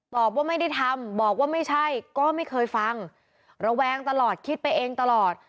ว่าไม่ได้ทำบอกว่าไม่ใช่ก็ไม่เคยฟังระแวงตลอดคิดไปเองตลอด